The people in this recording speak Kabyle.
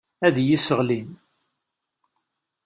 Ad iyi-sseɣlin.